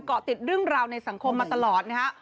เกาะติดเรื่องราวในสังคมมาตลอดนะฮะ